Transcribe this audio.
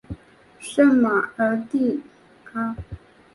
圣马尔蒂阿。